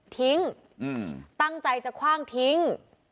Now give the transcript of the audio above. ตั้งใจจะคว่างทิ้ง